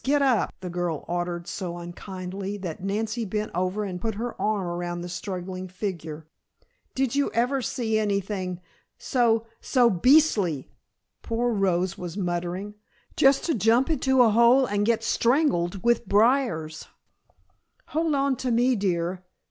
Get up," the girl ordered so unkindly that Nancy bent over and put her arm about the struggling figure. "Did you ever see anything so so beastly!" poor Rose was muttering. "Just to jump into a hole and get strangled with briars " "Hold on to me, dear."